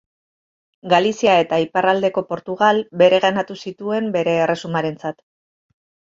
Galizia eta iparraldeko Portugal bereganatu zituen bere erresumarentzat.